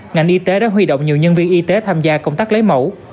ngành y tế đã huy động nhiều nhân viên y tế tham gia công tác lấy mẫu